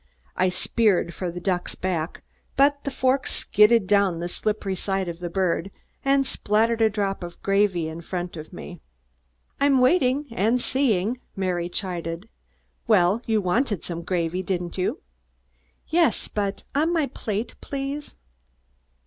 I speared for the duck's back, but the fork skidded down the slippery side of the bird and spattered a drop of gravy in front of me. "I'm waiting and seeing," Mary chided. "Well, you wanted some gravy, didn't you?" "Yes, but on my plate, please."